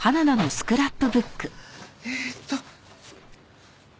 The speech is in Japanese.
えーっと。